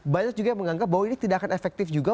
banyak juga yang menganggap bahwa ini tidak akan efektif juga